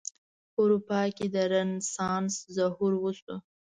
په اروپا کې د رنسانس ظهور وشو.